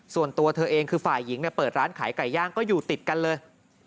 ส่วนตัวเธอเองคือฝ่ายหญิงเปิดร้านขายไก่ย่างก็อยู่ติดกันเลย